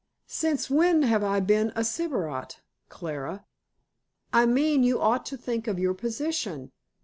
"Since when have I been a sybarite, Clara?" "I mean you ought to think of your position."